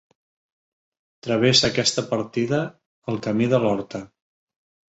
Travessa aquesta partida el Camí de l'Horta.